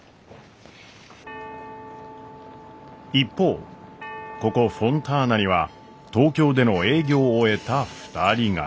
一方ここフォンターナには東京での営業を終えた２人が。